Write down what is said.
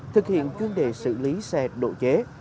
thực hiện chuyên đề xử lý xe độ chế